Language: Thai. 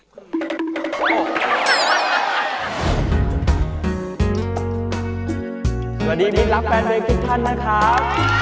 สวัสดีมีรับแฟนวิกฤตท่านนะครับ